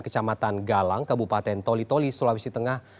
kecamatan galang kabupaten toli toli sulawesi tengah